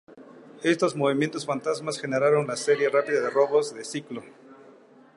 Estos movimientos fantasmas generaron la serie rápida de robos de ciclo.